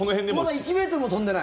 まだ１ｍも飛んでない？